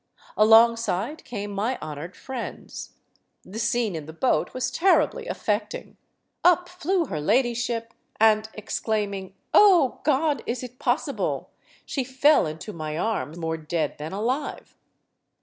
Alongside came my honored friends. The scene in the boat was terribly affecting. Up flew her ladyship, and, exclaiming: "Oh, God, is it possible?" she fell into my arm, more dead than alive.